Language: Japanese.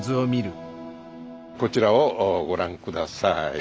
こちらをご覧下さい。